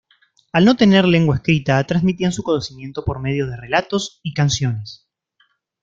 Al no tener lengua escrita, transmitían su conocimiento por medio de relatos y canciones.